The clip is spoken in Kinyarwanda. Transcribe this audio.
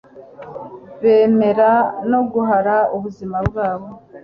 bemera no guhara ubuzima bwabo